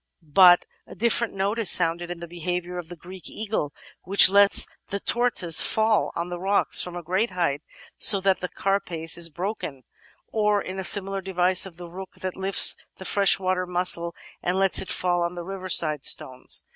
But a different note is sounded in the behaviour of the Greek eagle, which lets the tortoise fall on the rocks from a great height, so that the carapace is broken, or in the similar device of the Rook that lifts the freshwater mussel and lets it fall on the riverside stones.